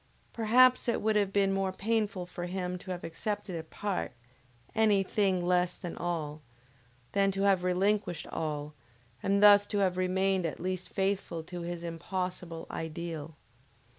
Perhaps it would have been more painful for him to have accepted a part, any thing less than all, than to have relinquished all, and thus to have remained at least faithful to his impossible Ideal!